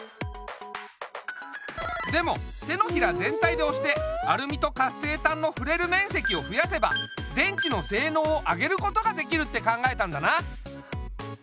でも手のひら全体でおしてアルミと活性炭のふれるめんせきをふやせば電池のせいのうを上げることができるって考えたんだな。